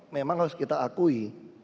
memang harus kita akui